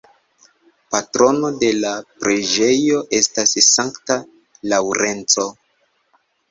Patrono de la preĝejo estas Sankta Laŭrenco.